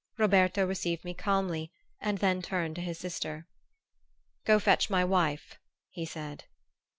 Roberto received me calmly and then turned to his sister. "Go fetch my wife," he said.